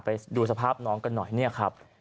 ไปดูสภาพน้องกันหน่อยเนี่ยครับ